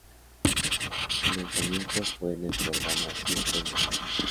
Su lanzamiento fue en el programa "Siempre en Domingo".